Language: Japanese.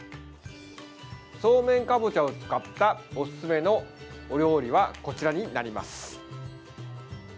そうめんかぼちゃを使ったおすすめのお料理はこちらになります。